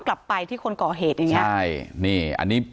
การแก้เคล็ดบางอย่างแค่นั้นเอง